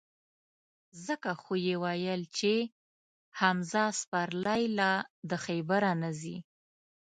ځکه خو یې ویل چې: حمزه سپرلی لا د خیبره نه ځي.